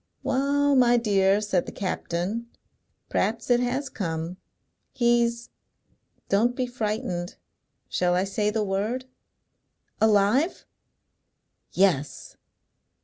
"Wa'al, my dear," said the captain, "p'rhaps it has come. He's don't be frightened shall I say the word " "Alive?" "Yes!"